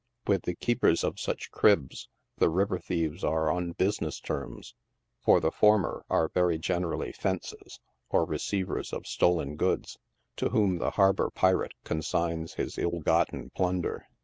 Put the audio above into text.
With the keepers of such " cribs" the river thieves are on business terms, for the former are very generally " fences," or receivers of stolen goods, to whom the harbor pirate consigns his ill gotten plunder.